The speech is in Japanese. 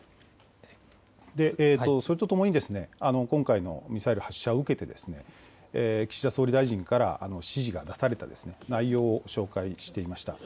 それとともに、今回のミサイル発射を受けて、岸田総理大臣から指示が出された内容を紹介していました。